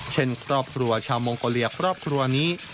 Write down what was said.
เช่นครอบครัวชาวมองโกเลียครอบครัวนี้